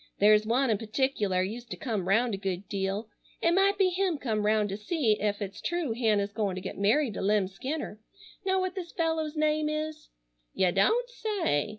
There's one in particular used to come round a good deal. It might be him come round to see ef it's true Hannah's goin' to get married to Lem Skinner. Know what this fellow's name is?" "You don't say!